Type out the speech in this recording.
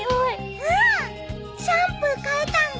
うんシャンプー替えたんだ。